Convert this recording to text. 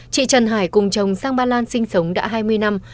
chị trần hải cùng chồng sang bà làn sinh sống đã hai mươi năm